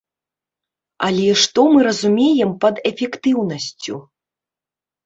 Але што мы разумеем пад эфектыўнасцю?